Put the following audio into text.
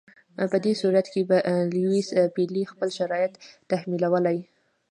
په دې صورت کې به لیویس پیلي خپل شرایط تحمیلولای.